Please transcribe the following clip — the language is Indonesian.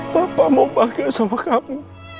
papa mau bahagia sama kamu